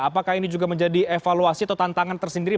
apakah ini juga menjadi evaluasi atau tantangan tersendiri